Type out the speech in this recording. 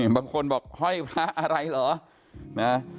บางคนบอกห้อยพระอะไรเหรอนะ